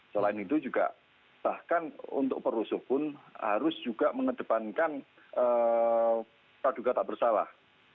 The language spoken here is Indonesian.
selain itu juga bahkan untuk perusuh pun harus juga mengedepankan praduga tak bersalah